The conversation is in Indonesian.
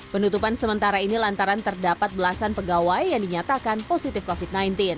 penutupan sementara ini lantaran terdapat belasan pegawai yang dinyatakan positif covid sembilan belas